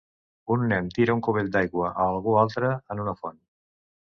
Un nen tira un cubell d'aigua a algú altre en una font.